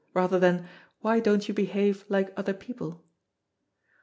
rather than, "Why don't you behave like other people?"